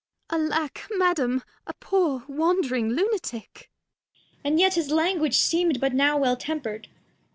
Ar. Alack! Madam, a poor wand'ring Lunatick. Cord. And yet his Language seem'd but now well temper'd.